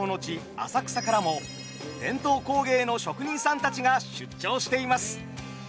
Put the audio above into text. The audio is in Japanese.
浅草からも伝統工芸の職人さんたちが出張しています。